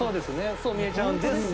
そう見えちゃうんですが。